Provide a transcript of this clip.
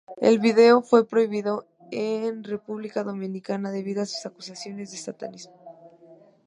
El video fue prohibido en República Dominicana debido a acusaciones de satanismo.